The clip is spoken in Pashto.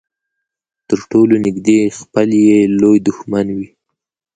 تر ټولو نږدې خپل يې لوی دښمن وي.